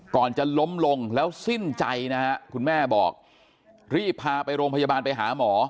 ก่อนจะล้มลงแล้วสิ้นใจนะฮะคุณแม่บอกรีบพาไปโรงพยาบาลไปหาหมอ